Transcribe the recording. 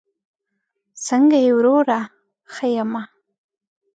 څنګه یې وروره؟ ښه یمه